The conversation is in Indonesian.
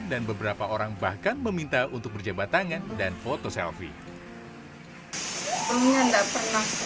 dan beberapa orang bahkan meminta untuk berjabat tangan dan foto selfie